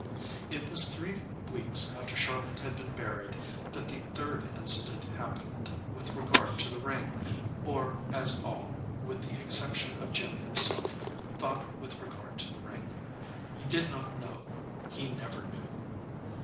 It \vas three weeks after Charlotte had been buried that the third incident happened with re gard to the ring, or as all, with the exception of Jim himself, thought with regard to the ring. He did not know. He never knew.